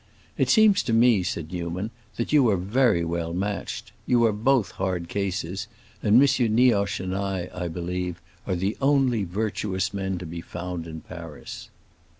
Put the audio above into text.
It seems to me," said Newman, "that you are very well matched. You are both hard cases, and M. Nioche and I, I believe, are the only virtuous men to be found in Paris."